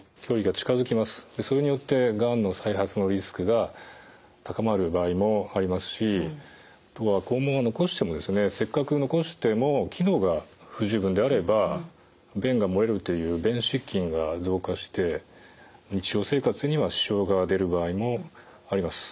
それによってがんの再発のリスクが高まる場合もありますしあとは肛門をせっかく残しても機能が不十分であれば便が漏れるという便失禁が増加して日常生活には支障が出る場合もあります。